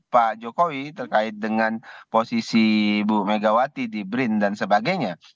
pak jokowi terkait dengan posisi ibu megawati di brin dan sebagainya